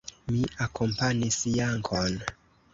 Mi akompanis Jankon.